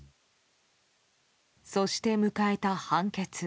そして迎えた判決。